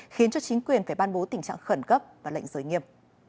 khiến cho chính quyền phải ban bố tình trạng khẩn cấp và lệnh giới nghiêm